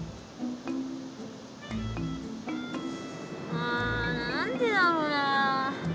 あ何でだろうな？